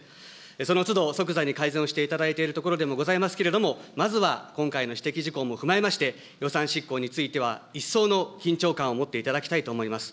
そのつど、即座に改善をしていただいているところでもございますけれども、まずは今回の指摘事項も踏まえまして、予算執行については一層の緊張感を持っていただきたいと思います。